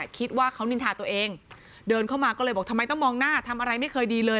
คิดว่าเขานินทาตัวเองเดินเข้ามาก็เลยบอกทำไมต้องมองหน้าทำอะไรไม่เคยดีเลย